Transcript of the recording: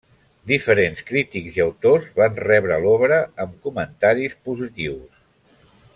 Diferents crítics i autors van rebre l'obra amb comentaris positius.